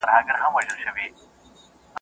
همدایو کسب یې زده همدا خواري وه ..